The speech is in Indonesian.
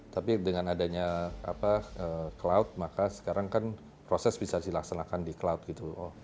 tapi dengan adanya cloud maka sekarang kan proses bisa dilaksanakan di cloud gitu